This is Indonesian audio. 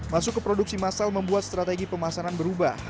masuk ke produksi massal membuat strategi pemasaran berubah